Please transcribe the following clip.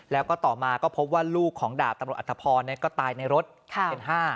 แล้วก็ต่อมาก็พบว่าลูกของดาบตำรวจอัตภพรก็ตายในรถเป็น๕